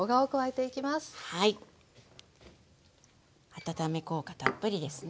温め効果たっぷりですね。